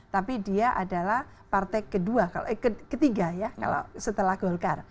tapi dia adalah partai ketiga ya setelah golkar